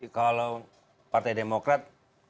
kalau partai demokrat